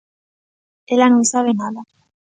_Ela non sabe nada...